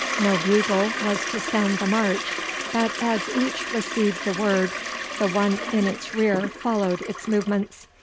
No bugle was to sound the march, but as each received the word the one in its rear followed its movements.